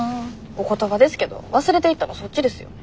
お言葉ですけど忘れていったのそっちですよね。